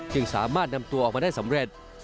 สามารถนำตัวออกมาได้สำเร็จ